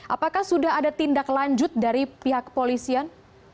apakah sudah ada tindak lanjut dari pihak kepolisian